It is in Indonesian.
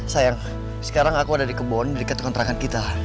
sayang sekarang aku ada di kebun dikat kontrakan kita